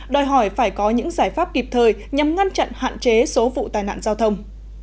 đòi hỏi phải có những giải pháp kịp thời nhằm ngăn chặn hạn chế số vụ tai nạn giao thông